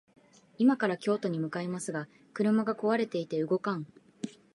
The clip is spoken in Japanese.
今から京都に向かいますが、車が壊れていて動かん